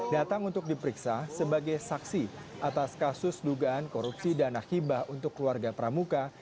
datang untuk diperiksa sebagai saksi atas kasus dugaan korupsi dana hibah untuk keluarga pramuka